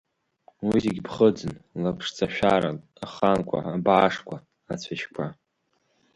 Уи зегь ԥхыӡын, лаԥшҵашәаран, аханқәа, абаашқәа, ацәашьқәа…